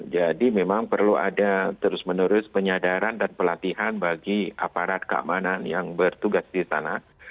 jadi memang perlu ada terus menurut penyadaran dan pelatihan bagi aparat keamanan yang bertugas di sana